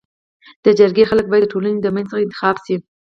د جرګي خلک بايد د ټولني د منځ څخه انتخاب سي.